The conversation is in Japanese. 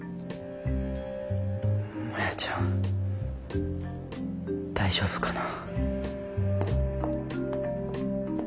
マヤちゃん大丈夫かな？